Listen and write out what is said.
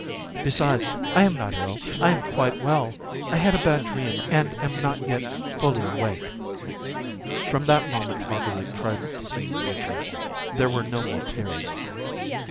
Besides, I am not ill. I am quite well. I had a bad dream and am not yet fully awake." From that moment Marguerite tried to seem more cheerful. There were no more tears.